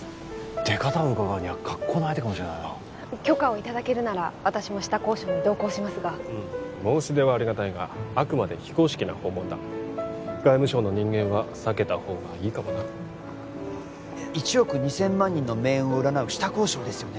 出方をうかがうには格好の相手かもしれないな許可をいただけるなら私も下交渉に同行しますが申し出はありがたいがあくまで非公式な訪問だ外務省の人間は避けたほうがいいかもな１億２千万人の命運を占う下交渉ですよね